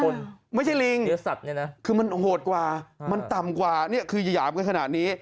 ไม่ใช่ลิงเนื้อสัตว์เนี่ยนะคือมันโหดกว่ามันต่ำกว่านี่คือยามกันขนาดนี้